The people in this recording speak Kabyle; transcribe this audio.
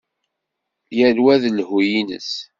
Yal wa d llhu-ines.